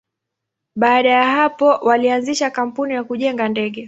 Baada ya hapo, walianzisha kampuni ya kujenga ndege.